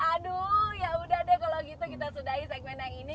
aduh yaudah deh kalau gitu kita sudahi segmen yang ini